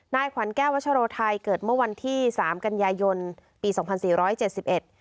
ขวัญแก้ววัชโรไทยเกิดเมื่อวันที่สามกันยายนปีสองพันสี่ร้อยเจ็ดสิบเอ็ด